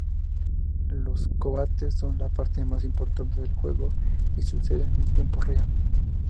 Los combates son la parte más importante del juego y suceden en tiempo real.